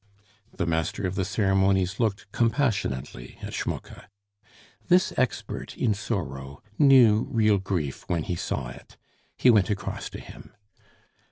The master of the ceremonies looked compassionately at Schmucke; this expert in sorrow knew real grief when he saw it. He went across to him.